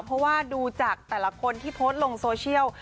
เพราะว่าดูจากแต่ละคนที่โพสต์ลงโซเชียล